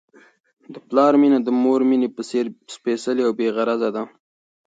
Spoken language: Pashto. د پلار مینه د مور د مینې په څېر سپیڅلې او بې غرضه ده.